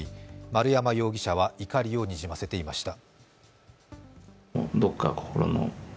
丸山容疑者は怒りをにじませていました。